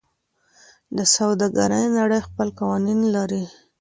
د سوداګرۍ نړۍ خپل قوانین لري.